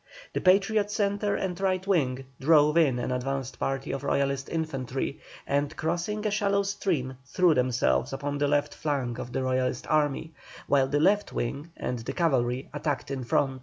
The Patriot centre and right wing drove in an advanced party of Royalist infantry, and crossing a shallow stream threw themselves upon the left flank of the Royalist army, while the left wing and the cavalry attacked in front.